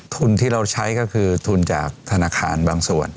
ทุนที่เราใช้ก็คือทุนจากธนาคารบางส่วน